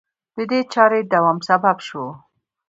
د دې چارې دوام سبب شو